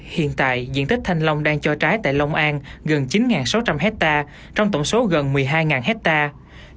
hiện tại diện tích thanh long đang cho trái tại long an gần chín sáu trăm linh hectare trong tổng số gần một mươi hai hectare